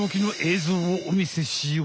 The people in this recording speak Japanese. ぞうをおみせしよう！